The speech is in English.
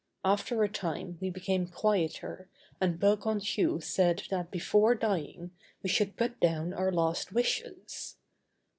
After a time we became quieter and Bergounhoux said that before dying we should put down our last wishes.